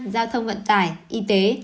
giao thông vận tải y tế